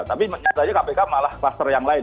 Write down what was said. tapi menurut saya kpk malah kluster yang lain